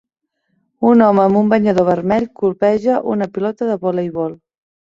Un home amb un banyador vermell colpeja una pilota de voleibol.